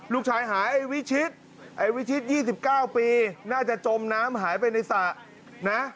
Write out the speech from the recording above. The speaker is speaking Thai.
หายไอ้วิชิตไอ้วิชิต๒๙ปีน่าจะจมน้ำหายไปในสระนะ